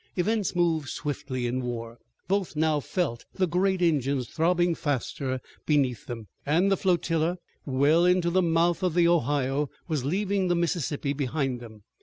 Events move swiftly in war. Both now felt the great engines throbbing faster beneath them, and the flotilla, well into the mouth of the Ohio, was leaving the Mississippi behind them.